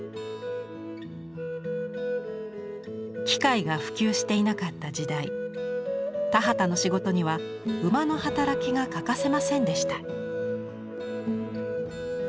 機械が普及していなかった時代田畑の仕事には馬の働きが欠かせませんでした。